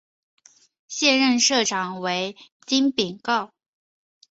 现任社长为金炳镐。